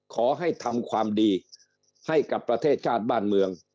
ขอให้ทำความดีให้กับประเทศชาติบ้านเมือง